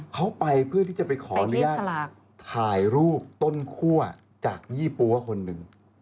เขาไปเพื่อที่จะไปขออนุญาตถ่ายรูปต้นคั่วจากยี่ปั๊วคนหนึ่ง